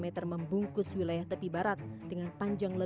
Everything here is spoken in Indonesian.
tetapi indonesia anak hal finda mépar andra